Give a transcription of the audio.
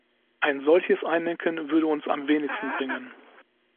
Ein solches Einlenken würde uns am wenigsten bringen.